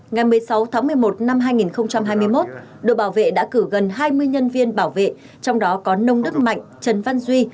ngày một mươi sáu tháng một mươi một năm hai nghìn hai mươi một đội bảo vệ đã cử gần hai mươi nhân viên bảo vệ trong đó có nông đức mạnh trần văn duy